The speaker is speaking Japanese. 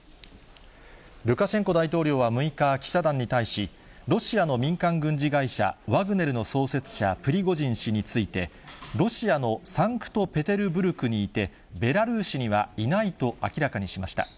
ルカシェンコ大統領は６日、記者団に対し、ロシアの民間軍事会社、ワグネルの創設者、プリゴジン氏について、ロシアのサンクトペテルブルクにいて、ベラルーシにはいないと明らかにしました。